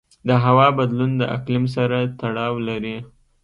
د هوا بدلون د اقلیم سره تړاو لري.